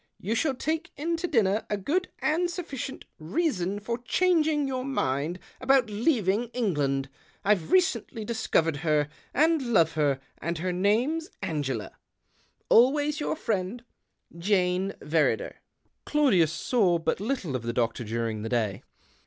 You shall take in to dinner a good and sufficient THE OCTAVE OF CLAUDIUS. 123 reason for elianging your mind about leaving England. I've recently discovered her, and love her, and her name's Angela. " Always your friend, " Jane Verrider." Claudius saw but little of the doctor during the day.